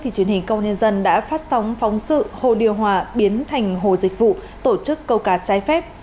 truyền hình công nhân đã phát sóng phóng sự hồ điều hòa biến thành hồ dịch vụ tổ chức câu cá trái phép